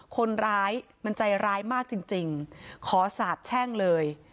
คนร้ายมันใจร้ายมากจริงขอสาบแช่งเลย